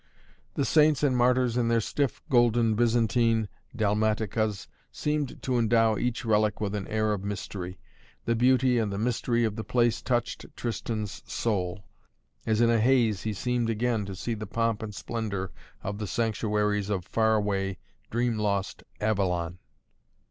The saints and martyrs in their stiff, golden Byzantine dalmaticas seemed to endow each relic with an air of mystery. The beauty and the mystery of the place touched Tristan's soul. As in a haze he seemed again to see the pomp and splendor of the sanctuaries of far away, dream lost Avalon.